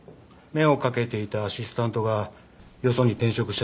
目をかけていたアシスタントがよそに転職しちゃった時。